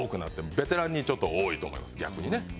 ベテランに多いと思います逆にね。